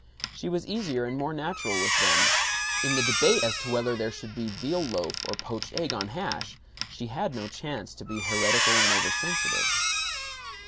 She was easier and more natural with them. In the debate as to whether there should be veal loaf or poached egg on hash, she had no chance to be heretical and oversensitive.